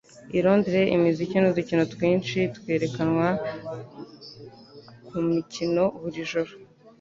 I Londres imiziki nudukino twinshi twerekanwa kumikino buri joro